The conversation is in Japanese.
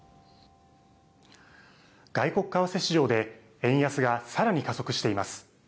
外国為替市場で円安がさらに加速しています。